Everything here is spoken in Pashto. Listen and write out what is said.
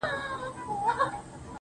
زور د زورور پاچا، ماته پر سجده پرېووت.